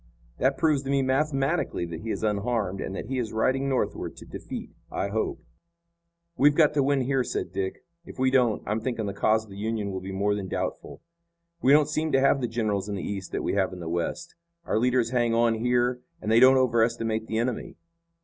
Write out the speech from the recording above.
That proves to me mathematically that he is unharmed and that he is riding northward to defeat, I hope." "We've got to win here," said Dick. "If we don't, I'm thinking the cause of the Union will be more than doubtful. We don't seem to have the generals in the East that we have in the West. Our leaders hang on here and they don't overestimate the enemy."